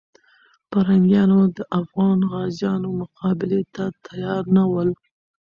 پرنګیانو د افغان غازیانو مقابلې ته تیار نه ول.